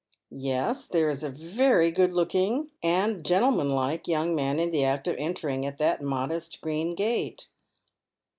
Yes, there is a very good looking and gentleman like young tuan in the act of entering at that modest green gate.